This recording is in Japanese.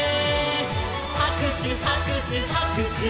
「はくしゅはくしゅはくしゅ」